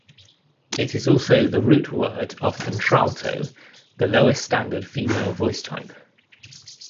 It is also the root word of contralto, the lowest standard female voice type.